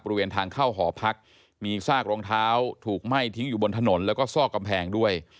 บริเวณทางเข้าหอพักมีซากรองเท้าถูกไหม้ทิ้งอยู่บนถนนแล้วก็ซอกกำแพงด้วย